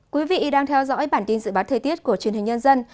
quý vị đang theo dõi bản tin dự báo thời tiết của truyền hình nhân dân